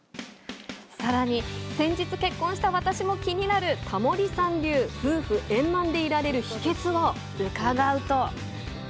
さらに、先日結婚した私も気になるタモリさん流夫婦円満でいられる秘けつを伺うと。